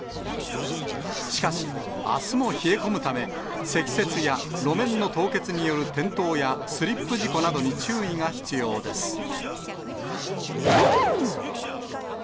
しかし、あすも冷え込むため、積雪や路面の凍結による転倒やスリップ事故などに注意が必要です。